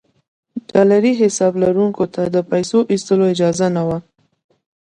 ډالري حساب لرونکو ته د پیسو ایستلو اجازه نه وه.